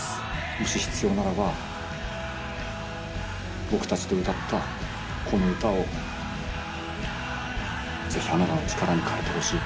もし必要ならば僕たちと歌ったこの歌を是非あなたの力に変えてほしい。